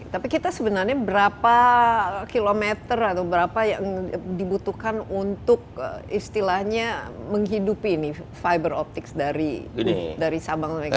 tapi kita sebenarnya berapa kilometer atau berapa yang dibutuhkan untuk istilahnya menghidupi fiber optics dari sabang dan megawati